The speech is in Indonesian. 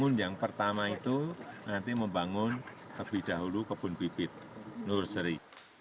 membangun yang pertama itu nanti membangun lebih dahulu kebun pipit nursery